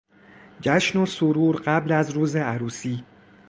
جشن و سرور قبل از روز عروسی